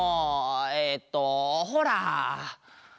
えっとほら！